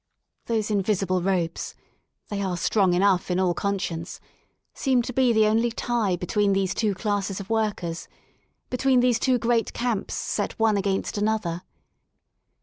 Those invisible ropes — they are strong enough in all conscience — seem to be the only tie between these two classes of workers, between these two great camps set one against another.